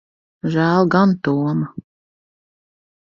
Žēl gan Toma.